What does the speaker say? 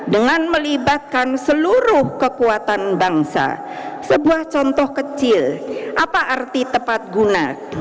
dengan melibatkan seluruh kekuatan bangsa sebuah contoh kecil apa arti tepat guna